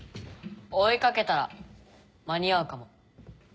追い掛けたら間に合うかも。